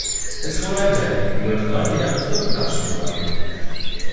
It's go-live day and we are deploying the app to the production environment.